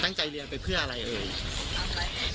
ใจเรียนไปเพื่ออะไรเอ่ย